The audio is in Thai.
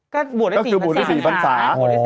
ก็คือบวชที่๔ภรรษา